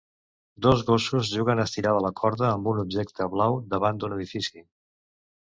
Dos gossos juguen a estirar de la corda amb un objecte blau davant d'un edifici